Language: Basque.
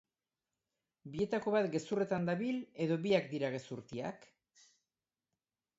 Bietako bat gezurretan dabil edo biak dira gezurtiak?